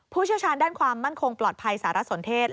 เชี่ยวชาญด้านความมั่นคงปลอดภัยสารสนเทศ